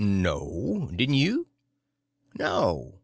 "No. Didn't you?" "No.